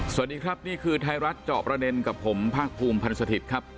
สวัสดีครับนี่คือไทยรัฐเจาะประเด็นกับผมภาคภูมิพันธ์สถิตย์ครับ